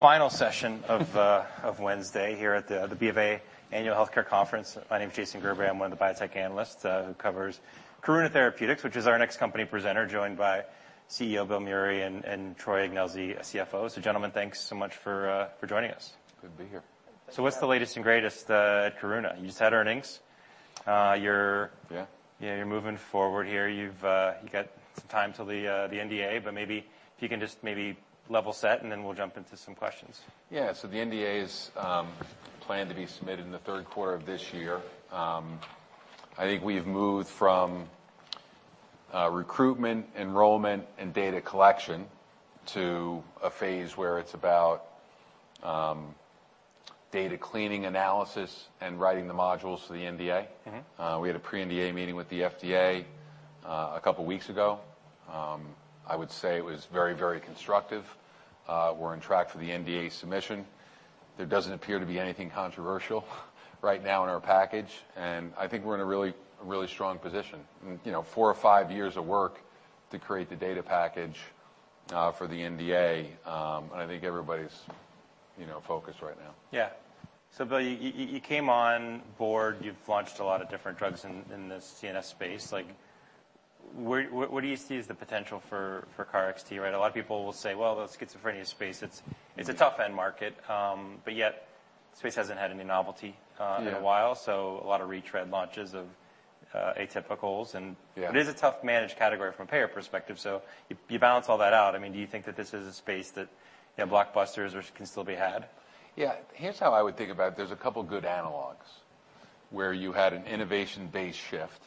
Final session of Wednesday here at the BofA Annual Healthcare Conference. My name is Jason Gerberry. I'm one of the biotech analysts who covers Karuna Therapeutics, which is our next company presenter, joined by CEO, Bill Meury, and Troy Ignelzi, CFO. Gentlemen, thanks so much for joining us. Good to be here. What's the latest and greatest at Karuna? You just had earnings. Yeah. Yeah, you're moving forward here. You've, you got some time till the NDA. Maybe if you can just maybe level set, and then we'll jump into some questions. Yeah. The NDA is planned to be submitted in the third quarter of this year. I think we've moved from recruitment, enrollment, and data collection to a phase where it's about data cleaning analysis and writing the modules for the NDA. Mm-hmm. We had a pre-NDA meeting with the FDA, a couple of weeks ago. I would say it was very, very constructive. We're on track for the NDA submission. There doesn't appear to be anything controversial right now in our package, and I think we're in a really strong position. You know, four or five years of work to create the data package for the NDA. I think everybody's, you know, focused right now. Yeah. Bill Meury, you came on board, you've launched a lot of different drugs in the CNS space. Like, what do you see is the potential for KarXT? Right? A lot of people will say, "Well, the schizophrenia space, it's a tough end market," but yet the space hasn't had any novelty. Yeah... in a while, so a lot of retread launches of atypicals. Yeah. It is a tough managed category from a payer perspective, so if you balance all that out, I mean, do you think that this is a space that, you know, blockbusters just can still be had? Yeah. Here's how I would think about it. There's a couple of good analogs where you had an innovation-based shift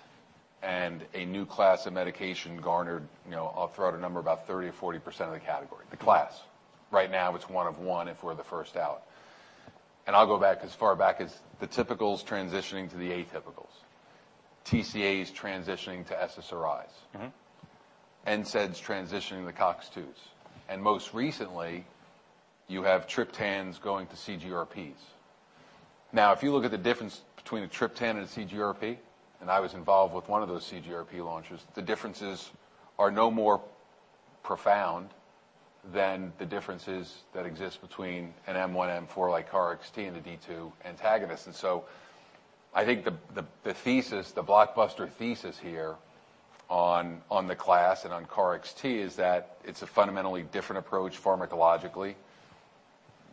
and a new class of medication garnered, you know, I'll throw out a number, about 30% or 40% of the category. The class. Right now, it's one of one, if we're the first out. I'll go back as far back as the typicals transitioning to the atypicals. TCAs transitioning to SSRIs. Mm-hmm. NSAIDs transitioning to COX-2s. Most recently, you have triptans going to CGRPs. Now, if you look at the difference between a triptan and a CGRP, and I was involved with one of those CGRP launches, the differences are no more profound than the differences that exist between an M1, M4 like KarXT and the D2 antagonist. I think the, the thesis, the blockbuster thesis here on the class and on KarXT is that it's a fundamentally different approach pharmacologically.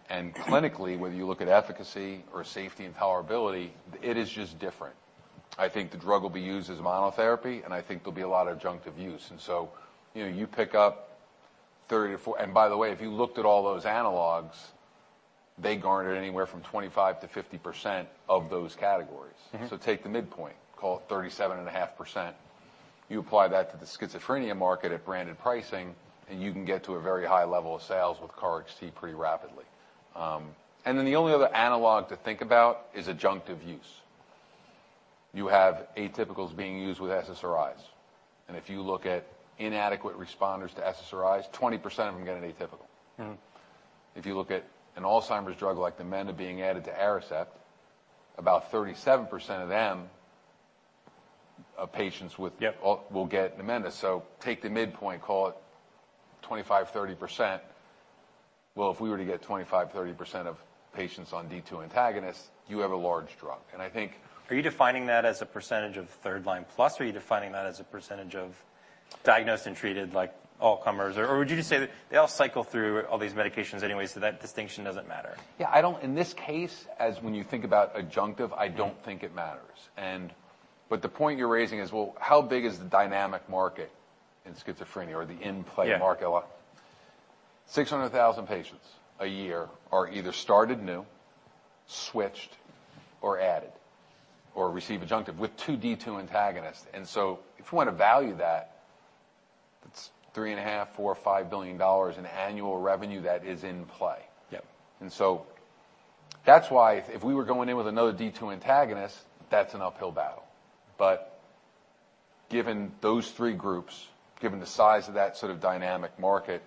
Clinically, whether you look at efficacy or safety and tolerability, it is just different. I think the drug will be used as monotherapy, and I think there'll be a lot of adjunctive use. You know, you pick up 30 to 4. By the way, if you looked at all those analogs, they garnered anywhere from 25%-50% of those categories. Mm-hmm. Take the midpoint, call it 37.5%. You apply that to the schizophrenia market at branded pricing, and you can get to a very high level of sales with KarXT pretty rapidly. The only other analog to think about is adjunctive use. You have atypicals being used with SSRIs, and if you look at inadequate responders to SSRIs, 20% of them get an atypical. Mm-hmm. If you look at an Alzheimer's drug like Namenda being added to Aricept, about 37% of them. Yep will get Namenda. Take the midpoint, call it 25%, 30%. If we were to get 25%, 30% of patients on D2 antagonists, you have a large drug. Are you defining that as a percentage of third line plus, or are you defining that as a percentage of diagnosed and treated, like all comers? Would you just say that they all cycle through all these medications anyway, so that distinction doesn't matter? Yeah, In this case, as when you think about adjunctive. Mm-hmm. I don't think it matters. The point you're raising is, well, how big is the dynamic market in schizophrenia or the in-play market? Yeah. 600,000 patients a year are either started new, switched, or added, or receive adjunctive with 2 D2 antagonists. If you wanna value that's three and a half, $4, $5 billion in annual revenue that is in play. Yep. That's why if we were going in with another D2 antagonist, that's an uphill battle. Given those three groups, given the size of that sort of dynamic market,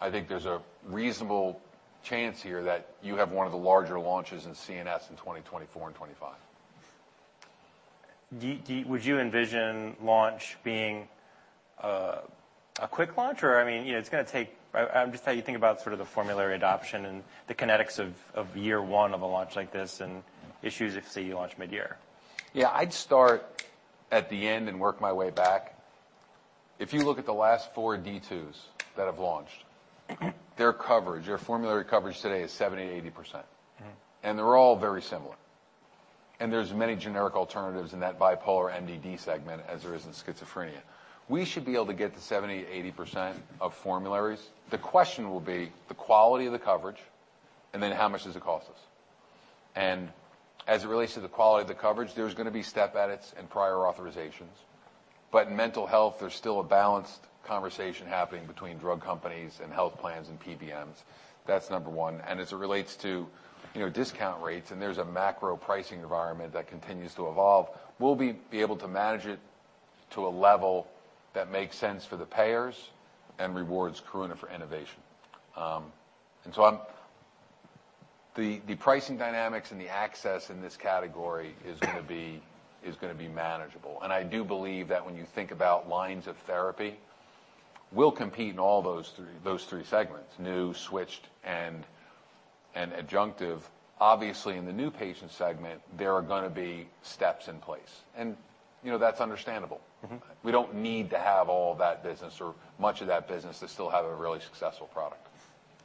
I think there's a reasonable chance here that you have one of the larger launches in CNS in 2024 and 2025. Would you envision launch being a quick launch? I mean, you know, it's gonna take... I'm just how you think about sort of the formulary adoption and the kinetics of year one of a launch like this and issues if, say, you launch mid-year? Yeah. I'd start at the end and work my way back. If you look at the last four D2s that have launched, their coverage, their formulary coverage today is 70%, 80%. Mm-hmm. They're all very similar. There's many generic alternatives in that bipolar MDD segment as there is in schizophrenia. We should be able to get to 70%, 80% of formularies. The question will be the quality of the coverage, and then how much does it cost us? As it relates to you know, discount rates, and there's a macro pricing environment that continues to evolve, we'll be able to manage it to a level that makes sense for the payers and rewards Karuna for innovation. The pricing dynamics and the access in this category is gonna be manageable. I do believe that when you think about lines of therapy, we'll compete in all those three segments: new, switched, and adjunctive. Obviously, in the new patient segment, there are gonna be steps in place, and, you know, that's understandable. Mm-hmm. We don't need to have all that business or much of that business to still have a really successful product.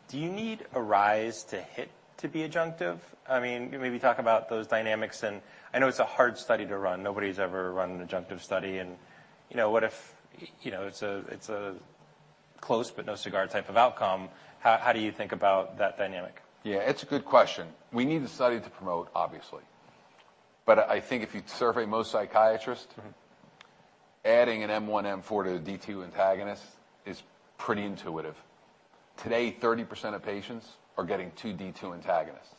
Do you need ARISE to hit to be adjunctive? I mean, can maybe talk about those dynamics and I know it's a hard study to run. Nobody's ever run an adjunctive study. You know, what if, you know, it's a close but no cigar type of outcome? How do you think about that dynamic? Yeah, it's a good question. We need the study to promote, obviously. I think if you survey most psychiatrists. Mm-hmm... adding an M1 M4 to a D2 antagonist is pretty intuitive. Today, 30% of patients are getting 2 D2 antagonists,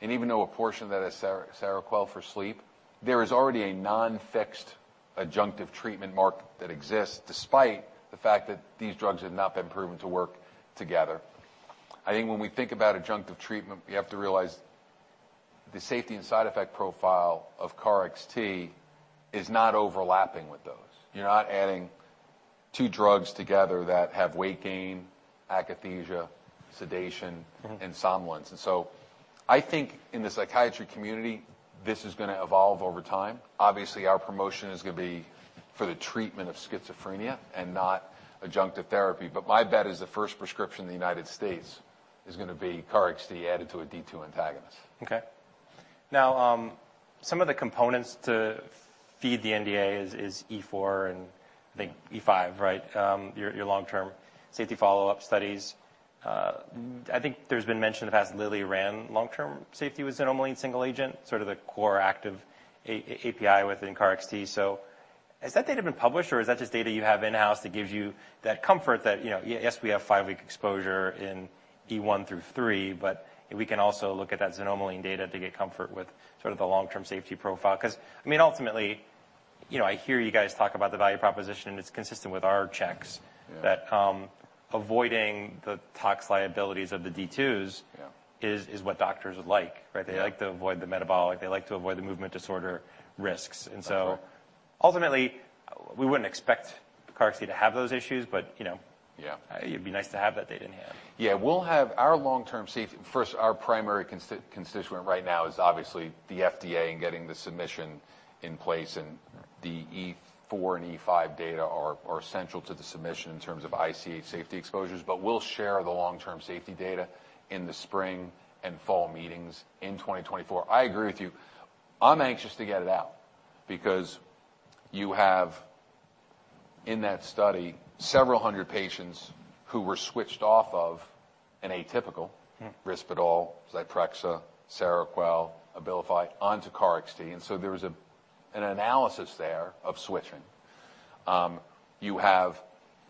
and even though a portion of that is Seroquel for sleep, there is already a non-fixed adjunctive treatment mark that exists despite the fact that these drugs have not been proven to work together. I think when we think about adjunctive treatment, we have to realize the safety and side effect profile of KarXT is not overlapping with those. You're not adding two drugs together that have weight gain, akathisia, sedation. Mm-hmm... insomnolence. I think in the psychiatry community, this is gonna evolve over time. Obviously, our promotion is gonna be for the treatment of schizophrenia and not adjunctive therapy, my bet is the first prescription in the United States is gonna be KarXT added to a D2 antagonist. Okay. Now, some of the components to feed the NDA is EMERGENT-4 and I think EMERGENT-5, right? Your long-term safety follow-up studies. I think there's been mention in the past Lilly ran long-term safety with xanomeline single agent, sort of the core active API within KarXT. Has that data been published, or is that just data you have in-house that gives you that comfort that, you know, yes, we have five week exposure in EMERGENT-1 through 3, but we can also look at that xanomeline data to get comfort with sort of the long-term safety profile? I mean, ultimately, you know, I hear you guys talk about the value proposition. It's consistent with our checks- Yeah... that, avoiding the tox liabilities of the D2s- Yeah is what doctors would like, right? Yeah. They like to avoid the metabolic. They like to avoid the movement disorder risks. That's right. Ultimately, we wouldn't expect KarXT to have those issues, but, you know. Yeah. It'd be nice to have that data in-hand. Yeah. First, our primary constituent right now is obviously the FDA and getting the submission in place, and the EMERGENT-4 and EMERGENT-5 data are essential to the submission in terms of ICH safety exposures, but we'll share the long-term safety data in the spring and fall meetings in 2024. I agree with you. I'm anxious to get it out because you have, in that study, several hundred patients who were switched off of an atypical. Mm-hmm... Risperdal, Zyprexa, Seroquel, Abilify, onto KarXT, there is an analysis there of switching. You have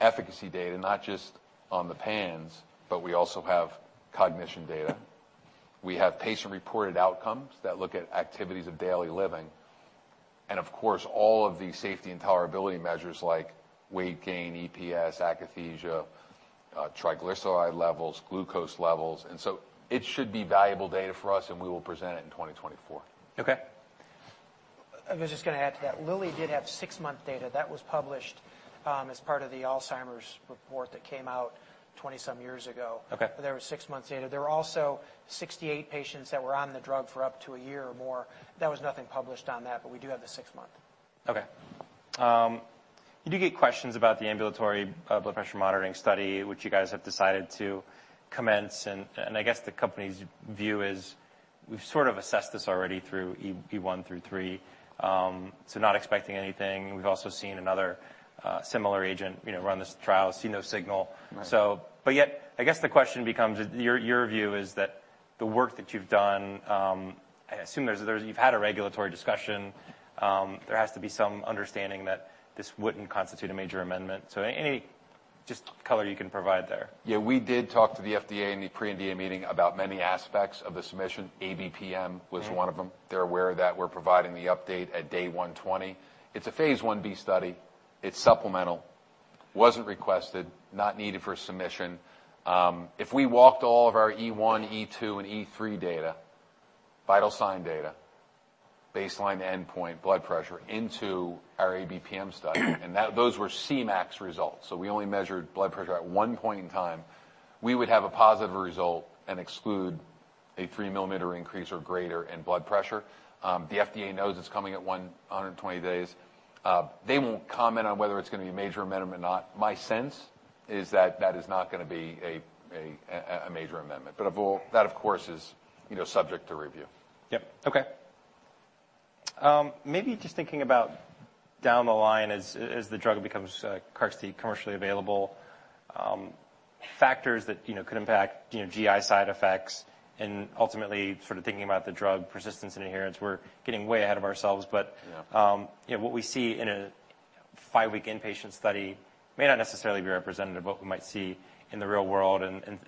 efficacy data, not just on the PANSS, but we also have cognition data. We have patient-reported outcomes that look at activities of daily living and, of course, all of the safety and tolerability measures like weight gain, EPS, akathisia, triglyceride levels, glucose levels. It should be valuable data for us, and we will present it in 2024. Okay. I was just gonna add to that. Lilly did have six month data. That was published as part of the Alzheimer's report that came out 20-some years ago. Okay. There was six months data. There were also 68 patients that were on the drug for up to a year or more. There was nothing published on that, but we do have the six-month. Okay. You do get questions about the ambulatory blood pressure monitoring study, which you guys have decided to commence, I guess the company's view is we've sort of assessed this already through EMERGENT-1 through 3. Not expecting anything. We've also seen another similar agent, you know, run this trial, see no signal. Right. I guess the question becomes is your view is that the work that you've done, I assume there's you've had a regulatory discussion? There has to be some understanding that this wouldn't constitute a major amendment. Any, just color you can provide there. Yeah, we did talk to the FDA in the pre-NDA meeting about many aspects of the submission. ABPM was one of them. Mm-hmm. They're aware that we're providing the update at day 120. It's a phase I B study. It's supplemental, wasn't requested, not needed for submission. If we walked all of our EMERGENT-1, EMERGENT-2, and EMERGENT-3 data, vital sign data, baseline endpoint blood pressure into our ABPM study, those were Cmax results. We only measured blood pressure at 1 point in time. We would have a positive result and exclude a 3 mm increase or greater in blood pressure. The FDA knows it's coming at 120 days. They won't comment on whether it's gonna be a major amendment or not. My sense is that that is not gonna be a major amendment. That, of course, is, you know, subject to review. Yep. Okay, maybe just thinking about down the line as the drug becomes KarXT commercially available, factors that, you know, could impact, you know, GI side effects and ultimately sort of thinking about the drug persistence and adherence. We're getting way ahead of ourselves, but. Yeah... yeah, what we see in a five-week inpatient study may not necessarily be representative of what we might see in the real world.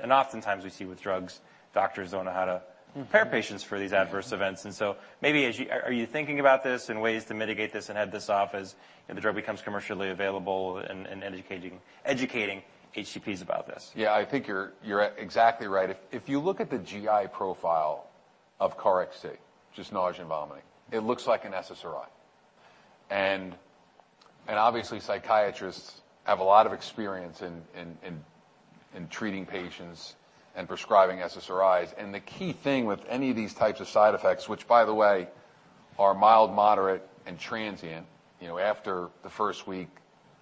Oftentimes we see with drugs, doctors don't know. Mm-hmm... prepare patients for these adverse events. Maybe Are you thinking about this and ways to mitigate this and head this off as, you know, the drug becomes commercially available and educating HCPs about this? Yeah. I think you're exactly right. If you look at the GI profile of KarXT, just nausea and vomiting, it looks like an SSRI. And obviously, psychiatrists have a lot of experience in treating patients and prescribing SSRIs. The key thing with any of these types of side effects, which by the way, are mild, moderate, and transient, you know, after the first week,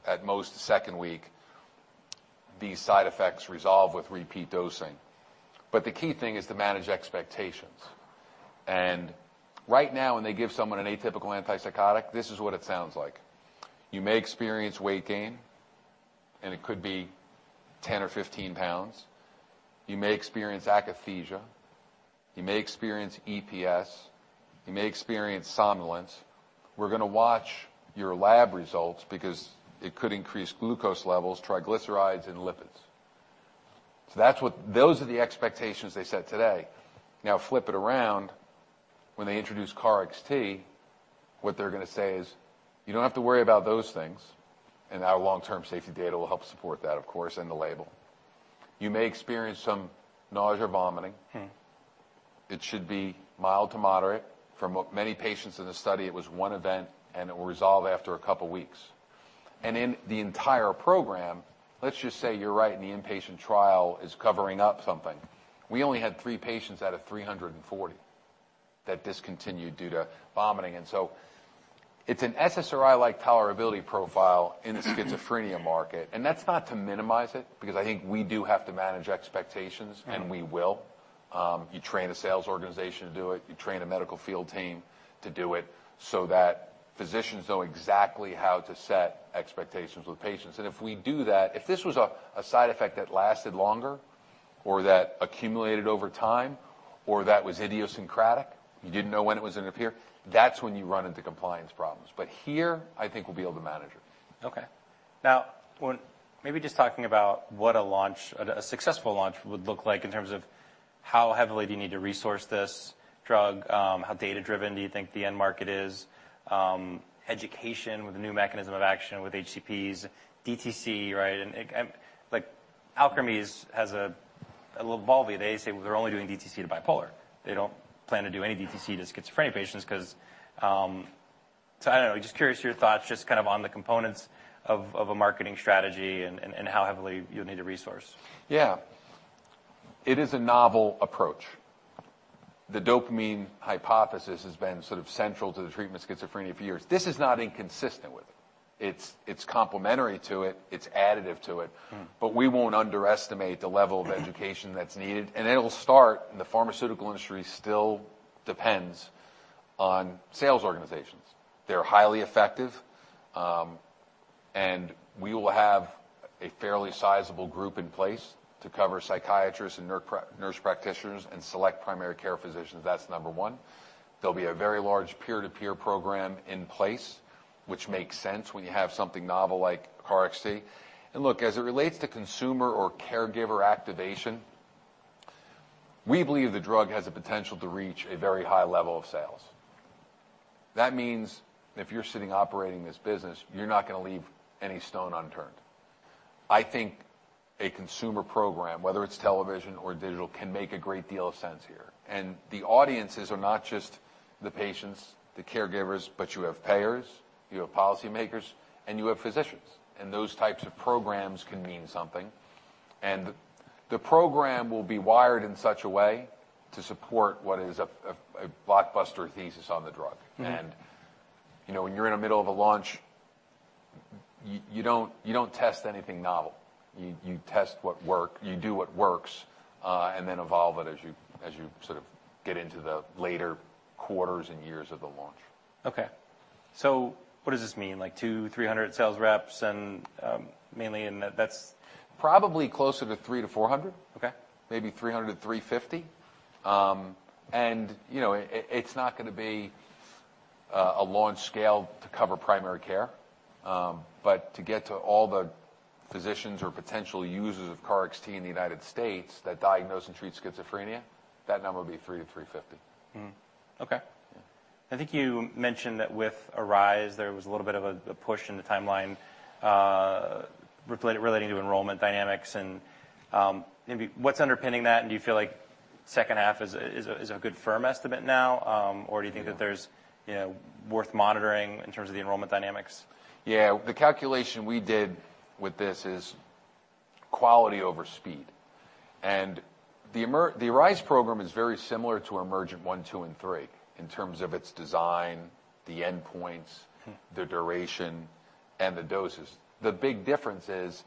at most second week, these side effects resolve with repeat dosing. The key thing is to manage expectations. Right now, when they give someone an atypical antipsychotic, this is what it sounds like. You may experience weight gain, and it could be 10 or 15 pounds. You may experience akathisia, you may experience EPS, you may experience somnolence. We're gonna watch your lab results because it could increase glucose levels, triglycerides, and lipids. Those are the expectations they set today. Flip it around. They introduce KarXT, what they're gonna say is, "You don't have to worry about those things," and our long-term safety data will help support that, of course, in the label. You may experience some nausea, vomiting. Mm-hmm. It should be mild to moderate. For many patients in the study, it was one event, and it will resolve after a couple weeks. In the entire program, let's just say you're right, and the inpatient trial is covering up something. We only had three patients out of 340 that discontinued due to vomiting. So it's an SSRI-like tolerability profile in the schizophrenia market. That's not to minimize it because I think we do have to manage expectations, and we will. You train a sales organization to do it, you train a medical field team to do it, so that physicians know exactly how to set expectations with patients. If we do that, if this was a side effect that lasted longer or that accumulated over time or that was idiosyncratic, you didn't know when it was gonna appear, that's when you run into compliance problems. Here, I think we'll be able to manage it. Okay. Now maybe just talking about what a successful launch would look like in terms of how heavily do you need to resource this drug, how data-driven do you think the end market is, education with a new mechanism of action with HCPs, DTC, right? Like, Alkermes has a little Lybalvi. They say they're only doing DTC to bipolar. They don't plan to do any DTC to schizophrenia patients 'cause I don't know. Just curious your thoughts just kind of on the components of a marketing strategy and how heavily you'll need to resource. Yeah. It is a novel approach. The dopamine hypothesis has been sort of central to the treatment of schizophrenia for years. This is not inconsistent with it. It's, it's complementary to it. It's additive to it. Mm. We won't underestimate the level of education that's needed. It'll start in the pharmaceutical industry still depends on sales organizations. They're highly effective, and we will have a fairly sizable group in place to cover psychiatrists and nurse practitioners and select primary care physicians. That's number one. There'll be a very large peer-to-peer program in place, which makes sense when you have something novel like KarXT. Look, as it relates to consumer or caregiver activation, we believe the drug has the potential to reach a very high level of sales. That means if you're sitting operating this business, you're not gonna leave any stone unturned. I think a consumer program, whether it's television or digital, can make a great deal of sense here. The audiences are not just the patients, the caregivers, but you have payers, you have policymakers, and you have physicians, and those types of programs can mean something. The program will be wired in such a way to support what is a blockbuster thesis on the drug. Mm-hmm. You know, when you're in the middle of a launch, you don't test anything novel. You test what work. You do what works, and then evolve it as you sort of get into the later quarters and years of the launch. Okay. What does this mean? Like 200-300 sales reps and, mainly, Probably closer to 300-400. Okay. Maybe 300-350. You know, it's not gonna be a launch scale to cover primary care. To get to all the physicians or potential users of KarXT in the United States that diagnose and treat schizophrenia, that number would be 300-350. Mm-hmm. Okay. Yeah. I think you mentioned that with ARISE there was a little bit of a push in the timeline, relating to enrollment dynamics and, maybe what's underpinning that? Do you feel like second half is a good firm estimate now, or do you think that there's, you know, worth monitoring in terms of the enrollment dynamics? Yeah. The calculation we did with this is quality over speed. The ARISE program is very similar to EMERGENT-1, EMERGENT-2, and EMERGENT-3 in terms of its design, the endpoints. Mm. the duration, and the doses. The big difference is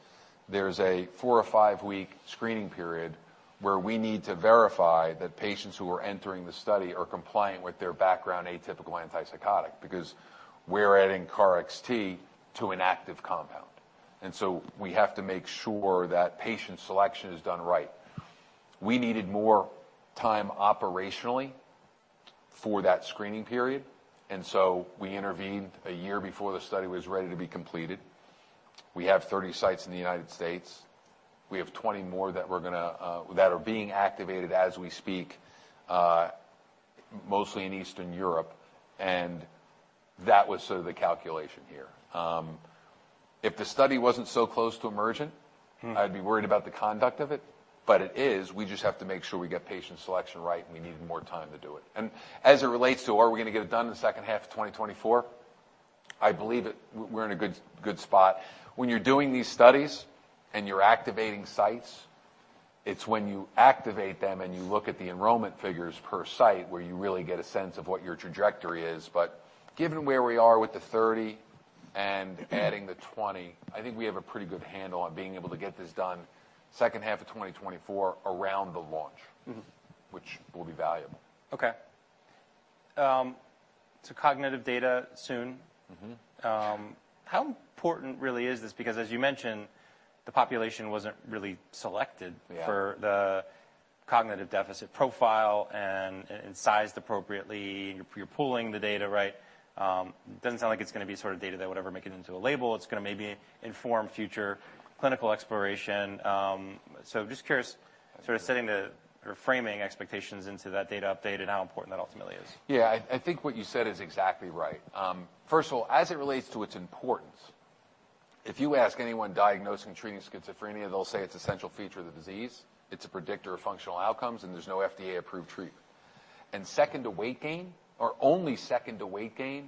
there's a four or five week screening period where we need to verify that patients who are entering the study are compliant with their background atypical antipsychotic because we're adding KarXT to an active compound. We have to make sure that patient selection is done right. We needed more time operationally for that screening period, and so we intervened a year before the study was ready to be completed. We have 30 sites in the United States. We have 20 more that we're gonna that are being activated as we speak, mostly in Eastern Europe, and that was sort of the calculation here. If the study wasn't so close to EMERGENT- Mm-hmm. I'd be worried about the conduct of it. It is. We just have to make sure we get patient selection right, and we need more time to do it. As it relates to are we gonna get it done in the second half of 2024, I believe we're in a good spot. When you're doing these studies and you're activating sites, it's when you activate them and you look at the enrollment figures per site where you really get a sense of what your trajectory is. Given where we are with the 30 and adding the 20, I think we have a pretty good handle on being able to get this done second half of 2024 around the launch. Mm-hmm. Which will be valuable. Okay. to cognitive data soon. Mm-hmm. How important really is this? As you mentioned, the population wasn't really selected. Yeah. for the cognitive deficit profile and sized appropriately. You're pooling the data, right? Doesn't sound like it's gonna be sort of data that would ever make it into a label. It's gonna maybe inform future clinical exploration. Just curious, sort of framing expectations into that data update and how important that ultimately is. I think what you said is exactly right. First of all, as it relates to its importance, if you ask anyone diagnosing and treating schizophrenia, they'll say it's essential feature of the disease, it's a predictor of functional outcomes, and there's no FDA-approved treatment. Second to weight gain or only second to weight gain,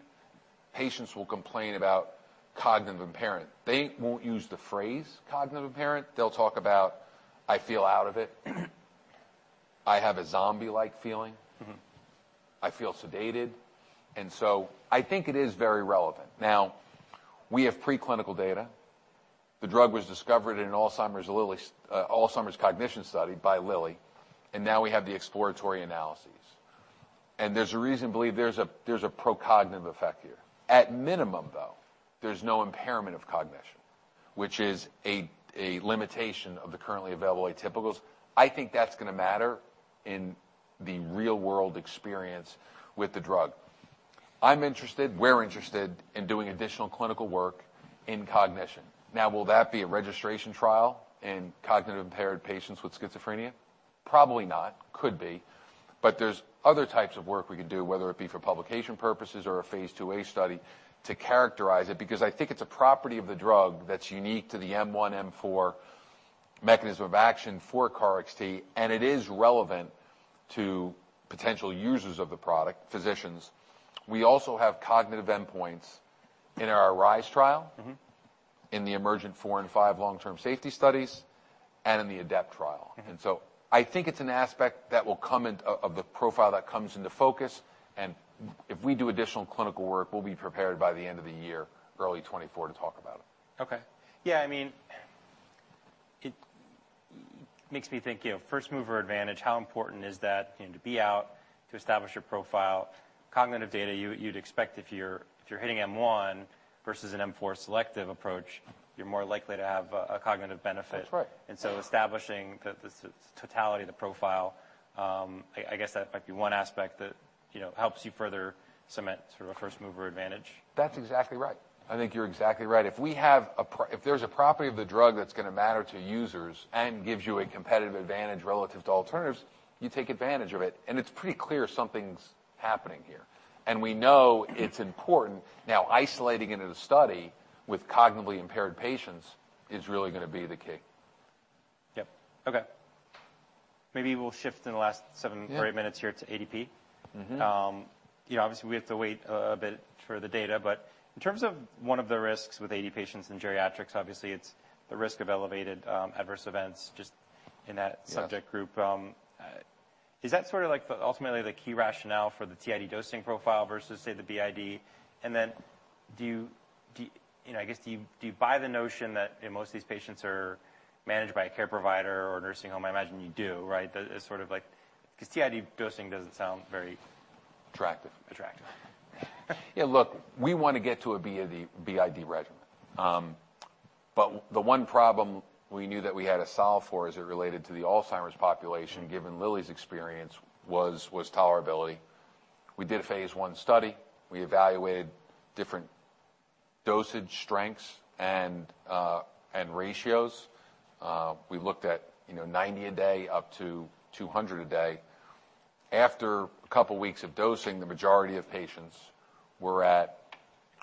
patients will complain about cognitive impairment. They won't use the phrase cognitive impairment. They'll talk about, "I feel out of it." "I have a zombie-like feeling. Mm-hmm. I feel sedated. I think it is very relevant. Now, we have preclinical data. The drug was discovered in an Alzheimer's cognition study by Lilly, and now we have the exploratory analyses. There's a reason to believe there's a pro-cognitive effect here. At minimum, though, there's no impairment of cognition, which is a limitation of the currently available atypicals. I think that's gonna matter in the real world experience with the drug. We're interested in doing additional clinical work in cognition. Now, will that be a registration trial in cognitive impaired patients with schizophrenia? Probably not. Could be. There's other types of work we could do, whether it be for publication purposes or a Phase II A study to characterize it, because I think it's a property of the drug that's unique to the M1/M4 mechanism of action for KarXT, and it is relevant to potential users of the product, physicians. We also have cognitive endpoints in our ARISE trial. Mm-hmm. In the EMERGENT-4 and EMERGENT-5 long-term safety studies, and in the ADAPT trial. Mm-hmm. I think it's an aspect of the profile that comes into focus, and if we do additional clinical work, we'll be prepared by the end of the year, early 2024, to talk about it. Okay. Yeah, I mean, it makes me think, you know, first mover advantage, how important is that, you know, to be out, to establish a profile? Cognitive data, you'd expect if you're hitting M1 versus an M4 selective approach, you're more likely to have a cognitive benefit. That's right. Establishing the totality, the profile, I guess that might be one aspect that, you know, helps you further cement sort of a first mover advantage. That's exactly right. I think you're exactly right. If there's a property of the drug that's gonna matter to users and gives you a competitive advantage relative to alternatives, you take advantage of it. It's pretty clear something's happening here, and we know it's important. Isolating it in a study with cognitively impaired patients is really gonna be the key. Yep. Okay. Maybe we'll shift in the last seven- Yeah. -or eight minutes here to ADP. Mm-hmm. You know, obviously we have to wait a bit for the data, but in terms of one of the risks with AD patients in geriatrics, obviously it's the risk of elevated adverse events. Yeah. subject group. Is that sort of like ultimately the key rationale for the TID dosing profile versus, say, the BID? Do you... You know, I guess, do you buy the notion that most of these patients are managed by a care provider or a nursing home? I imagine you do, right? That it's sort of like... 'Cause TID dosing doesn't sound very- Attractive. -attractive. Yeah. Look, we wanna get to a BID regimen. The one problem we knew that we had to solve for as it related to the Alzheimer's population, given Lilly's experience, was tolerability. We did a Phase I study. We evaluated different dosage strengths and ratios. We looked at 90 a day up to 200 a day. After a couple weeks of dosing, the majority of patients were at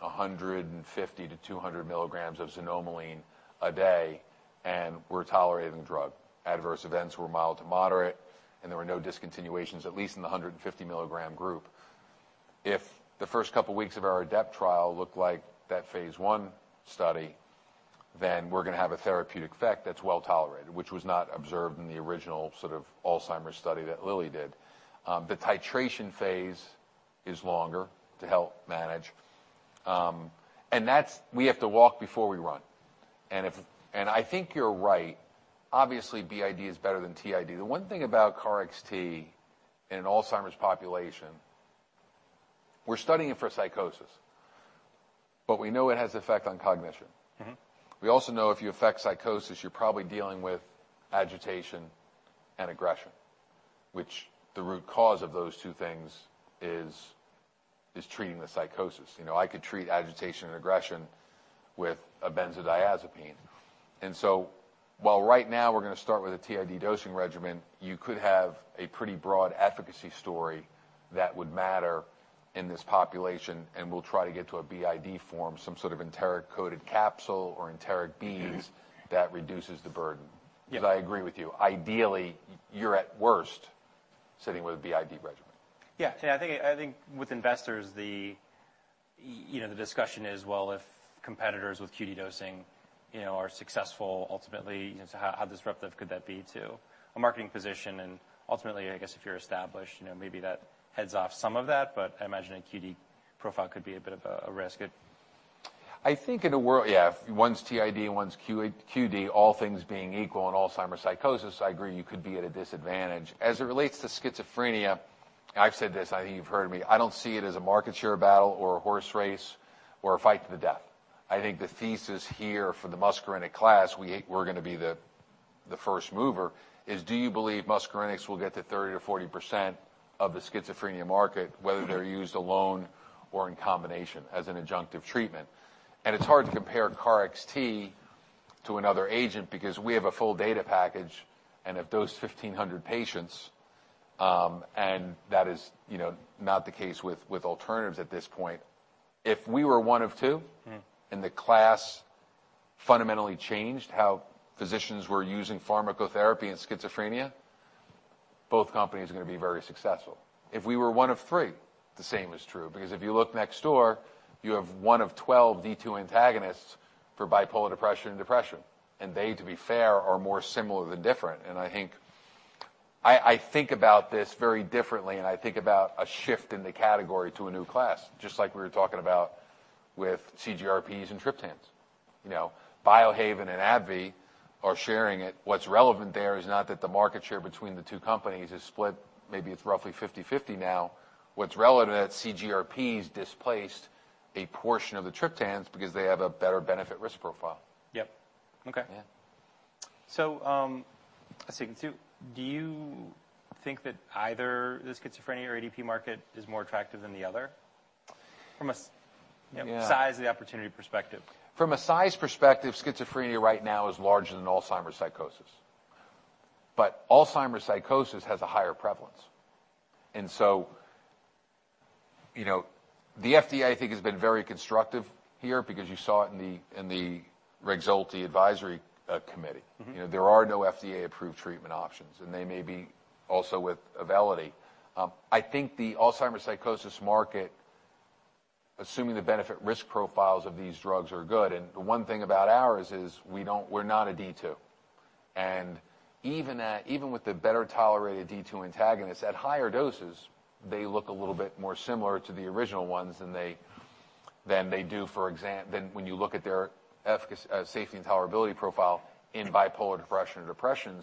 150 to 200 milligrams of xanomeline a day and were tolerating the drug. Adverse events were mild to moderate, and there were no discontinuations, at least in the 150 milligram group. If the first couple weeks of our ADAPT trial look like that Phase I study, then we're gonna have a therapeutic effect that's well tolerated, which was not observed in the original sort of Alzheimer's study that Lilly did. The titration phase is longer to help manage. We have to walk before we run. I think you're right. Obviously, BID is better than TID. The one thing about KarXT in an Alzheimer's population, we're studying it for psychosis, but we know it has effect on cognition. Mm-hmm. We also know if you affect psychosis, you're probably dealing with agitation and aggression, which the root cause of those two things is treating the psychosis. You know, I could treat agitation and aggression with a benzodiazepine. While right now we're gonna start with a TID dosing regimen, you could have a pretty broad efficacy story that would matter in this population, and we'll try to get to a BID form, some sort of enteric-coated capsule or enteric beads that reduces the burden. Yep. 'Cause I agree with you. Ideally, you're at worst sitting with a BID regimen. Yeah. See, I think, I think with investors, the you know, the discussion is, well, if competitors with QD dosing, you know, are successful ultimately, you know, so how disruptive could that be to a marketing position? Ultimately, I guess if you're established, you know, maybe that heads off some of that, but I imagine a QD profile could be a bit of a risk. I think one's TID and one's Q-QD, all things being equal in Alzheimer's psychosis, I agree you could be at a disadvantage. As it relates to schizophrenia, I've said this, I think you've heard me, I don't see it as a market share battle or a horse race or a fight to the death. I think the thesis here for the muscarinic class, we're gonna be the first mover, is do you believe muscarinics will get to 30% to 40% of the schizophrenia market, whether they're used alone or in combination as an adjunctive treatment? It's hard to compare KarXT to another agent because we have a full data package and have dosed 1,500 patients, and that is, you know, not the case with alternatives at this point. If we were one of two- Mm-hmm. The class fundamentally changed how physicians were using pharmacotherapy in schizophrenia, both companies are gonna be very successful. If we were one of three, the same is true because if you look next door, you have one of 12 D2 antagonists for bipolar depression and depression, and they, to be fair, are more similar than different. I think about this very differently, and I think about a shift in the category to a new class, just like we were talking about with CGRPs and triptans. You know, Biohaven and AbbVie are sharing it. What's relevant there is not that the market share between the two companies is split, maybe it's roughly 50/50 now. What's relevant is CGRPs displaced a portion of the triptans because they have a better benefit risk profile. Yep. Okay. Yeah. let's see. Do you think that either the schizophrenia or ADP market is more attractive than the other? Yeah ...you know, size of the opportunity perspective? From a size perspective, schizophrenia right now is larger than Alzheimer's psychosis, but Alzheimer's psychosis has a higher prevalence. You know, the FDA, I think, has been very constructive here because you saw it in the, in the REXULTI advisory committee. Mm-hmm. You know, there are no FDA-approved treatment options, and they may be also with Auvelity. I think the Alzheimer's psychosis market, assuming the benefit risk profiles of these drugs are good, and the one thing about ours is we're not a D2. Even with the better tolerated D2 antagonists, at higher doses they look a little bit more similar to the original ones than they do, than when you look at their safety and tolerability profile in bipolar depression or depression.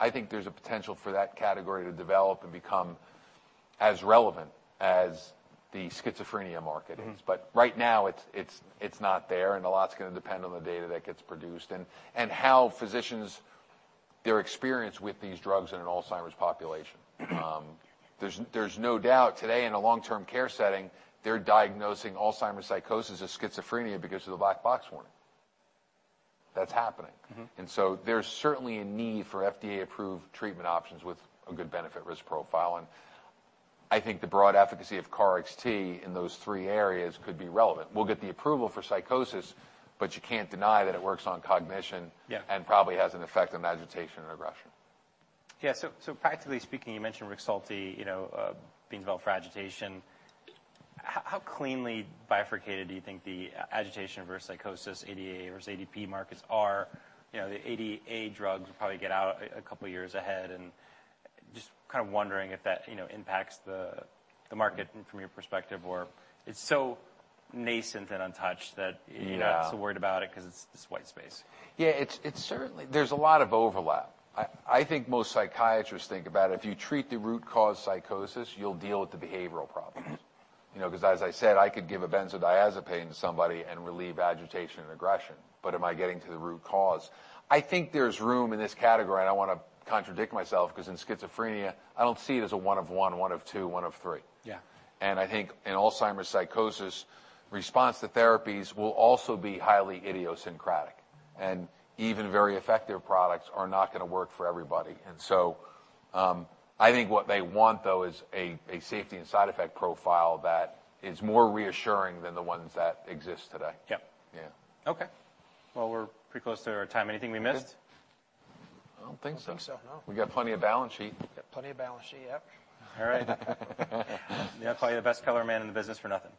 I think there's a potential for that category to develop and become as relevant as the schizophrenia market is. Mm-hmm. Right now, it's not there, and a lot's gonna depend on the data that gets produced and how physicians their experience with these drugs in an Alzheimer's population. There's no doubt today in a long-term care setting, they're diagnosing Alzheimer's psychosis as schizophrenia because of the black box warning. That's happening. Mm-hmm. There's certainly a need for FDA-approved treatment options with a good benefit risk profile, and I think the broad efficacy of KarXT in those three areas could be relevant. We'll get the approval for psychosis, but you can't deny that it works on cognition. Yeah Probably has an effect on agitation and aggression. Yeah. Practically speaking, you mentioned REXULTI, you know, being developed for agitation. How cleanly bifurcated do you think the agitation versus psychosis, ADA versus ADP markets are? You know, the ADA drugs will probably get out a couple years ahead, and just kind of wondering if that, you know, impacts the market from your perspective or it's so nascent and untouched that- Yeah you're not so worried about it 'cause it's this white space. Yeah. It's certainly... There's a lot of overlap. I think most psychiatrists think about if you treat the root cause psychosis, you'll deal with the behavioral problems. You know, 'cause as I said, I could give a benzodiazepine to somebody and relieve agitation and aggression, but am I getting to the root cause? I think there's room in this category, and I don't wanna contradict myself 'cause in schizophrenia I don't see it as a one of one of two, one of three. Yeah. I think in Alzheimer's psychosis, response to therapies will also be highly idiosyncratic, and even very effective products are not gonna work for everybody. I think what they want, though, is a safety and side effect profile that is more reassuring than the ones that exist today. Yep. Yeah. Okay. Well, we're pretty close to our time. Anything we missed? I don't think so. I don't think so, no. We got plenty of balance sheet. Got plenty of balance sheet, yep. All right. They don't call you the best color man in the business for nothing.